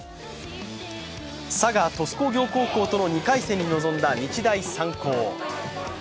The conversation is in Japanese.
佐賀・鳥栖工業高校との２回戦に臨んだ日大三高。